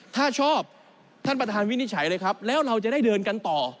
ถ้าชอบท่านประธานวินิจฉัยเลยครับแล้วเราจะได้เดินกันต่อ